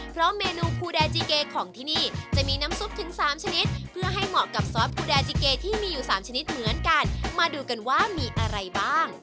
เพราะเมนูภูแดจีเกของที่นี่จะมีน้ำซุปถึงสามชนิดเพื่อให้เหมาะกับซอสปูแดจิเกที่มีอยู่สามชนิดเหมือนกันมาดูกันว่ามีอะไรบ้าง